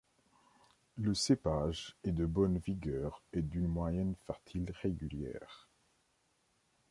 Le cépage est de bonne vigueur et d’une moyenne fertile régulière.